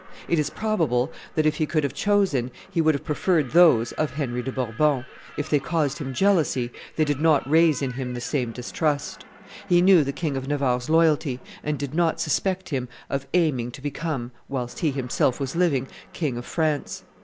It is probable that, if he could have chosen, he would have preferred those of Henry de Bourbon; if they caused him like jealousy, they did not raise in him the same distrust; he knew the King of Navarre's loyalty, and did not suspect him of aiming to become, whilst he himself was living, King of France.